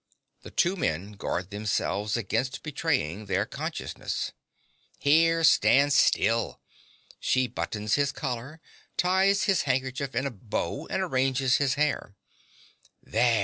(The two men guard themselves against betraying their consciousness.) Here! Stand still. (She buttons his collar; ties his neckerchief in a bow; and arranges his hair.) There!